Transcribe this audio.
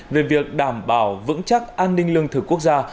về việc đảm bảo vững chắc an ninh lương thực quốc gia